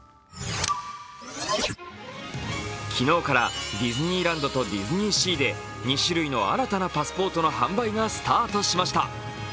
昨日からディズニーランドとディズニーシーで２種類の新たなパスポートの販売が開始されました。